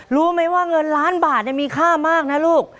รู้ไหมว่าเงินล้านบาทมีค่ามากนะลูก